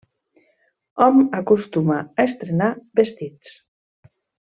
Hom acostuma a estrenar vestits.